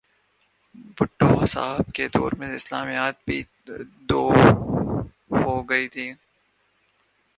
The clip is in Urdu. بھٹو صاحب کے دور میں اسلامیات بھی دو ہو گئی تھیں۔